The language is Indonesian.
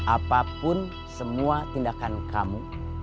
apapun semua tindakan kamu